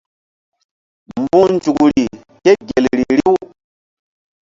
Mbu̧h nzukri ke gel ri riw.